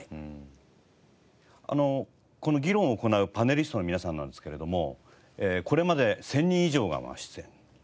この議論を行うパネリストの皆さんなんですけれどもこれまで１０００人以上が出演。